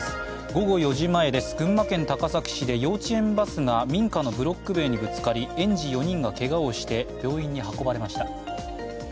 午後４時前です、群馬県高崎市で幼稚園バスが民家のブロック塀にぶつかり園児４人がけがをして病院に運ばれました。